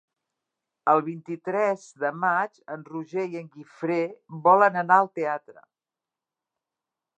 El vint-i-tres de maig en Roger i en Guifré volen anar al teatre.